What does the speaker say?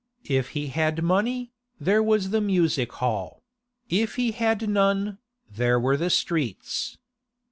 If he had money, there was the music hall; if he had none, there were the streets.